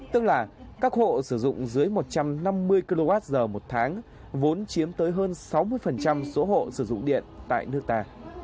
tức là các hộ sử dụng dưới một trăm năm mươi kwh một tháng vốn chiếm tới hơn sáu mươi số hộ sử dụng điện tại nước ta